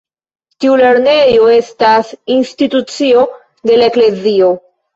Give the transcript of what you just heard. Tiu lernejo estas institucio de la eklezio.